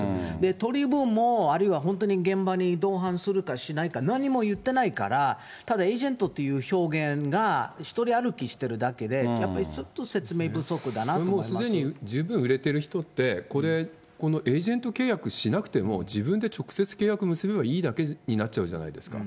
取り分も、あるいは本当に現場に同伴するかしないか、何も言ってないから、ただ、エージェントという表現が独り歩きしてるだけで、やっぱりちょっすでに十分売れている人って、これ、このエージェント契約しなくても、自分で直接契約結べばいいだけになっちゃうじゃないですか。